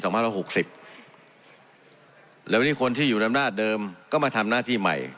แล้ววันนี้คนที่อยู่อำนาจเดิมก็มาทำหน้าที่ใหม่